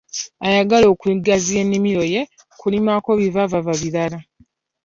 Ayagala kugaziya nnimiro ye kulimako bivaavava birala.